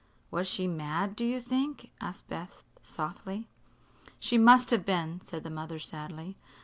"Was she mad, do you think?" asked Beth, softly. "She must have been," said the mother, sadly.